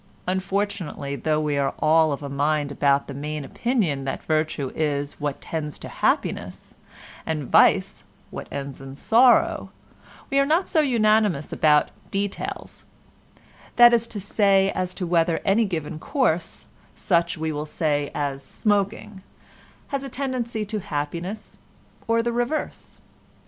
Unfortunately though we are all of a mind about the main opinion that virtue is what tends to happiness, and vice what ends in sorrow, we are not so unanimous about details—that is to say as to whether any given course, such, we will say, as smoking, has a tendency to happiness or the reverse.